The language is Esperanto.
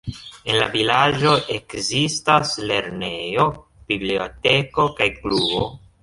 En la vilaĝo ekzistas lernejo, biblioteko kaj klubo.